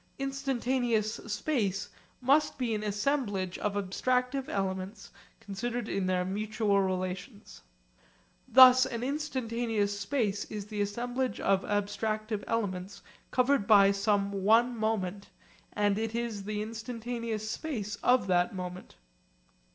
Instantaneous space must be an assemblage of abstractive elements considered in their mutual relations. Thus an instantaneous space is the assemblage of abstractive elements covered by some one moment, and it is the instantaneous space of that moment.